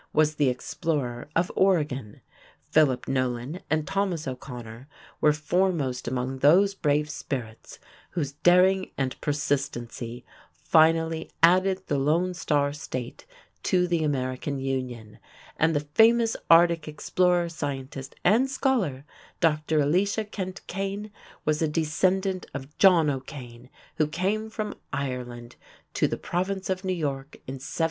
Kelly, was the explorer of Oregon; Philip Nolan and Thomas O'Connor were foremost among those brave spirits "whose daring and persistency finally added the Lone Star State to the American Union"; and the famous Arctic explorer, scientist, and scholar, Dr. Elisha Kent Kane, was a descendant of John O'Kane who came from Ireland to the Province of New York in 1752.